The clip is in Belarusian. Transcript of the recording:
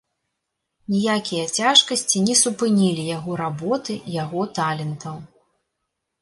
Ніякія цяжкасці не супынілі яго работы, яго талентаў.